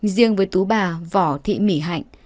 riêng với tú bà vỏ thị mỉ hạnh